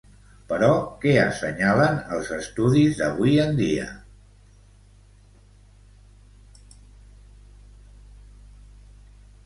Però, que assenyalen els estudis d'avui en dia?